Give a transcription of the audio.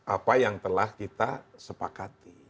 apa yang telah kita sepakati